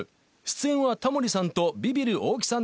出演はタモリさんとビビる大木さんです。